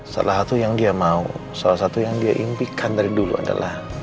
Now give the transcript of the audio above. salah satu yang dia mau salah satu yang dia impikan dari dulu adalah